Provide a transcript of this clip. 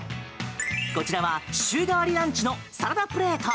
こちらは、週替わりランチのサラダプレート。